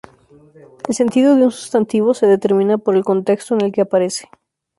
El sentido de un sustantivo se determina por el contexto en el que aparece.